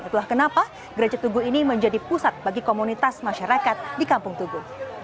itulah kenapa gereja tugu ini menjadi pusat bagi komunitas masyarakat di kampung tugu